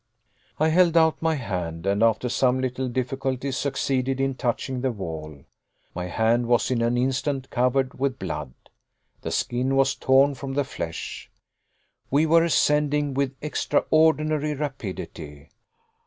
I held out my hand, and, after some little difficulty, succeeded in touching the wall. My hand was in an instant covered with blood. The skin was torn from the flesh. We were ascending with extraordinary rapidity.